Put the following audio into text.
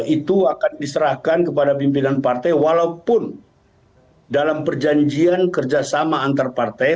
itu akan diserahkan kepada pimpinan partai walaupun dalam perjanjian kerjasama antar partai